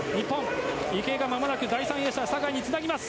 池江が第３泳者酒井につなぎます。